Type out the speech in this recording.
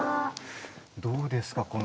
どうですか